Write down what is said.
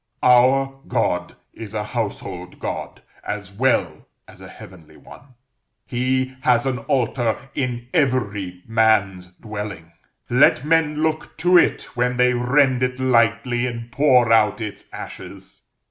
Our God is a household God, as well as a heavenly one; He has an altar in every man's dwelling; let men look to it when they rend it lightly and pour out its ashes.